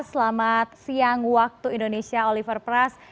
selamat siang waktu indonesia oliver press